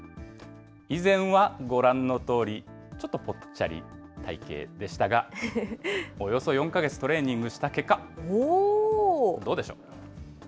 以前はご覧のとおり、ちょっとぽっちゃり体型でしたが、およそ４か月トレーニングした結果、どうでしょう。